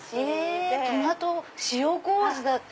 トマト塩麹だって！